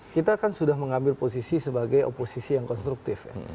kita kan sudah mengambil posisi sebagai oposisi yang konstruktif ya